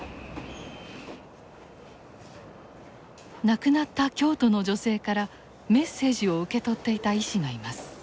亡くなった京都の女性からメッセージを受け取っていた医師がいます。